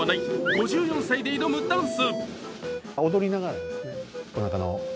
５４歳で挑むダンス。